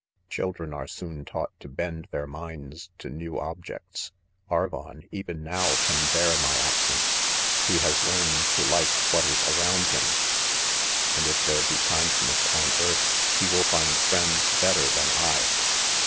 ) children are soon taught to bend their minds to new objects, Arvon 3 even now ? can bear my THE CONFESSIONS, 141 absence, ; he has learned to like what is around him ; and if there he kindness, on earth, he will find friends better than I